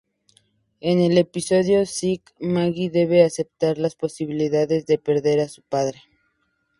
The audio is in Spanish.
En el episodio "Sick", Maggie debe aceptar la posibilidad de perder a su padre.